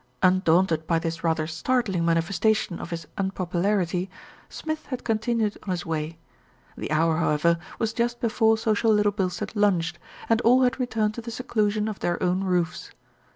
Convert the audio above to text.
Undaunted by this rather startling manifestation of his unpopularity, Smith had continued on his way. The hour, however, was just before social Little Bil stead lunched, and all had returned to the seclusion of their own roofs.